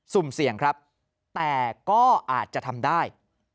สุ่มเสี่ยงครับแต่ก็อาจจะทำได้